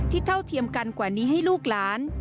เท่าเทียมกันกว่านี้ให้ลูกหลาน